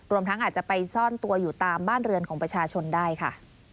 ทั้งอาจจะไปซ่อนตัวอยู่ตามบ้านเรือนของประชาชนได้ค่ะ